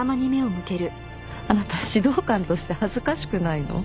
あなた指導官として恥ずかしくないの？